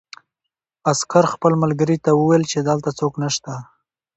عسکر خپل ملګري ته وویل چې دلته څوک نشته